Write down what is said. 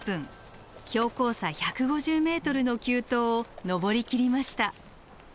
標高差１５０ｍの急登を登りきりました。